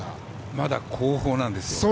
まだ後方なんですよ。